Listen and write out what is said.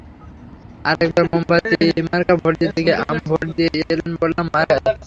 আরেকবার মোমবাতি মার্কায় ভোট দিতে গিয়ে আম্মা ভোট দিয়ে এলেন বল্লম মার্কায়।